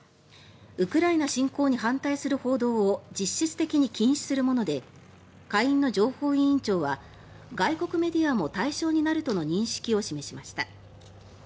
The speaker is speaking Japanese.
ウクライナ侵攻に反対する報道を実質的に禁止するもので下院の情報委員長は外国メディアも対象になるとの認識を示しました。